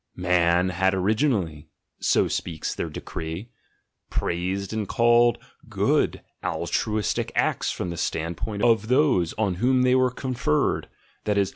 *' '•'Man had originally,'' so speaks their decree, "praised and called 'good' altruistic acts from the standpoint of those on whom they were conferred, that is.